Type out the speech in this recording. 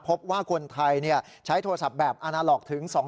พบว่าคนไทยใช้โทรศัพท์แบบอาณาล็อกถึง๒๐๐